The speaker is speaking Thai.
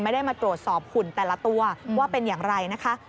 ไม่ได้มาตรวจสอบหุ่นแต่ละตัวว่าเป็นอย่างไรนะคะ